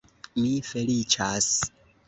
Mi feliĉas.